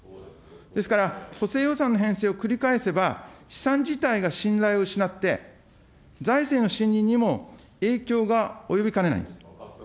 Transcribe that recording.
ですから補正予算の編成を繰り返せば、試算自体が信頼を失って、財政の信認にも影響が及びかねないんです。